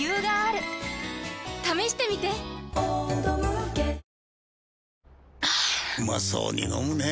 蕁うまそうに飲むねぇ。